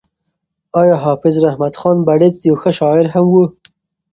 ایا حافظ رحمت خان بړیڅ یو ښه شاعر هم و؟